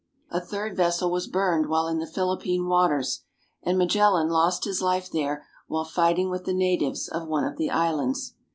A third vessel was burned while in the Philippine waters, and Magellan lost his life there while fighting with the natives of one of the islands.